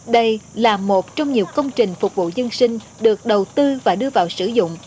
đây là một trong nhiều công trình phục vụ dân sinh được đầu tư và đưa vào sử dụng